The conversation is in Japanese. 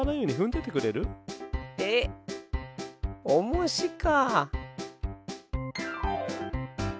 えっおもしか。